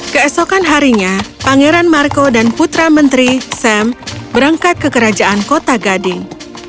keesokan harinya pangeran marco dan putra menteri sam berangkat ke kerajaan kota gading